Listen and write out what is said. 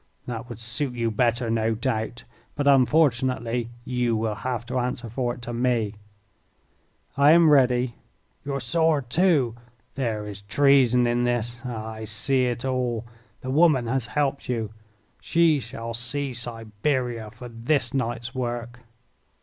"That would suit you better, no doubt. But, unfortunately, you will have to answer for it to me." "I am ready." "Your sword, too! There is treason in this! Ah, I see it all! The woman has helped you. She shall see Siberia for this night's work."